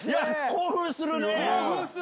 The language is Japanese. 興奮するね！